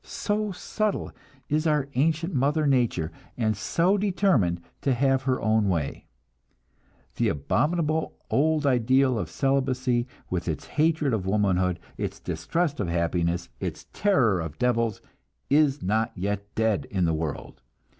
So subtle is our ancient mother nature, and so determined to have her own way! The abominable old ideal of celibacy, with its hatred of womanhood, its distrust of happiness, its terror of devils, is not yet dead in the world.